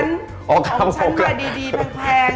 ของฉันเนี่ยดีแพง